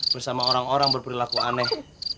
bersama orang orang berperilaku aneh